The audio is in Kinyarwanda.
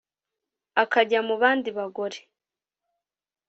akajya mu bandi bagore